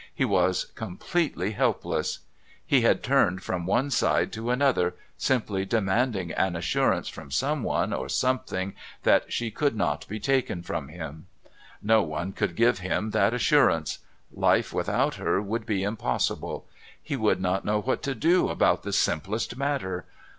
He was completely helpless. He had turned from one side to another, simply demanding an assurance from someone or something that she could not be taken from him. No one could give him that assurance. Life without her would be impossible; he would not know what to do about the simplest matter.